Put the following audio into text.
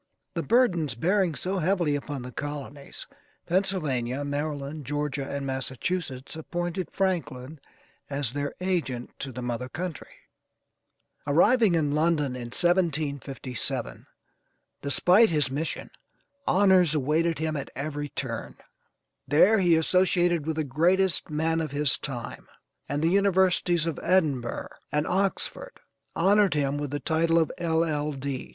The burdens bearing so heavily upon the colonies: Pennsylvania, Maryland, Georgia, and Massachusetts, appointed Franklin as their agent to the mother country. Arriving in London in 1757, despite his mission, honors awaited him at every turn. There he associated with the greatest men of his time, and the universities of Edinburgh and Oxford honored him with the title of L.L.D.